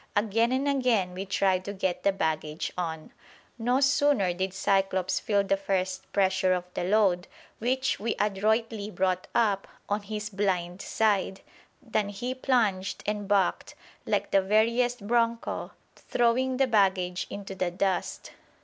Again and again we tried to get the baggage on. No sooner did Cyclops feel the first pressure of the load, which we adroitly brought up on his blind side, than he plunged and bucked like the veriest broncho, throwing the baggage into the dust.